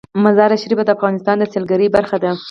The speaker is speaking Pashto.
مزارشریف د افغانستان د سیلګرۍ برخه ده.